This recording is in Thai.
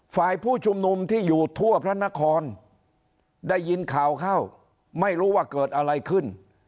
ผู้ชุมนุมที่อยู่ทั่วพระนครได้ยินข่าวเข้าไม่รู้ว่าเกิดอะไรขึ้น